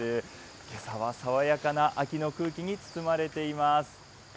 けさは爽やかな秋の空気に包まれています。